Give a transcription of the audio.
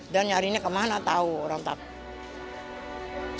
dan nyarinya kemana tau orang tak